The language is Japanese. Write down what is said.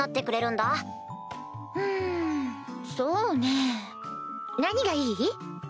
んそうねぇ何がいい？